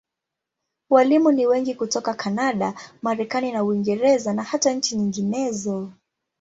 Walimu ni wengi hutoka Kanada, Marekani na Uingereza, na hata nchi nyinginezo.